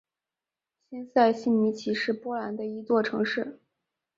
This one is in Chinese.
新维希尼奇是波兰的一座城市。